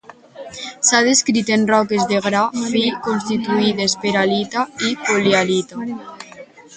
S'ha descrit en roques de gra fi constituïdes per halita i polihalita.